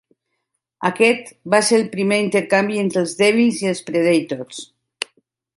Aquest va ser el primer intercanvi entre els Devils i els Predators.